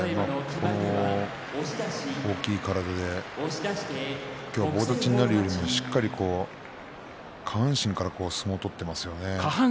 大きい体で今日は棒立ちになるよりもしっかり下半身から相撲を取ってますね。